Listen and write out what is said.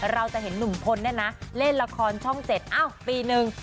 เราจะเห็นหนุ่มฟนด้วยนะเล่นละครช่องเจ็ดอ้าวปีนึง